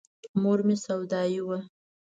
مور مې سودايي وه.